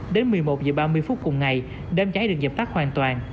đến một mươi một h ba mươi phút cùng ngày đám cháy được dập tắt hoàn toàn